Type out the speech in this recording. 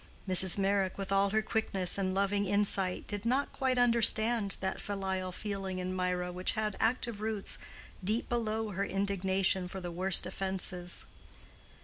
Mrs. Meyrick, with all her quickness and loving insight, did not quite understand that filial feeling in Mirah which had active roots deep below her indignation for the worst offenses.